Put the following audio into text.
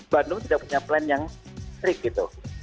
bandung tidak punya plan yang strict